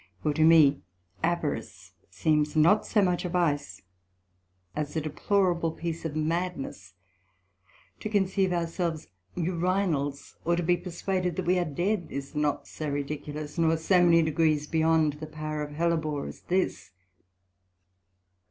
For to me avarice seems not so much a vice, as a deplorable piece of madness; to conceive ourselves Urinals, or be perswaded that we are dead, is not so ridiculous, nor so many degrees beyond the power of Hellebore, as this.